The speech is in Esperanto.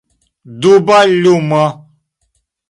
Duba lumo.